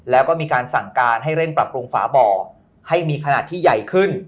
แล้วก็มีการสั่งการให้เร่งปรับปรุงฝาบ่อให้มีขนาดที่ใหญ่ขึ้น